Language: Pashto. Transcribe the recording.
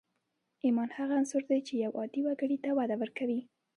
ايمان هغه عنصر دی چې يو عادي وګړي ته وده ورکوي.